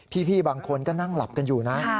พี่บางคนก็นั่งหลับกันอยู่นะ